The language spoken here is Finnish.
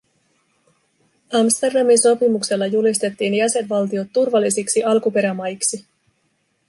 Amsterdamin sopimuksella julistettiin jäsenvaltiot turvallisiksi alkuperämaiksi.